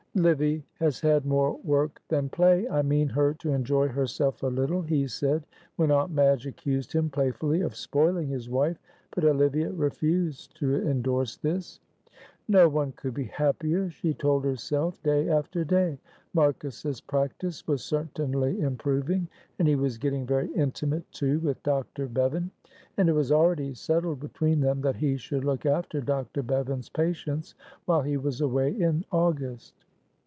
"Livy has had more work than play. I mean her to enjoy herself a little," he said when Aunt Madge accused him playfully of spoiling his wife, but Olivia refused to endorse this. "No one could be happier," she told herself day after day. Marcus's practice was certainly improving, and he was getting very intimate, too, with Dr. Bevan, and it was already settled between them that he should look after Dr. Bevan's patients while he was away in August.